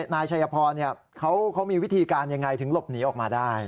นายชัยพรเขามีวิธีการยังไงถึงหลบหนีออกมาได้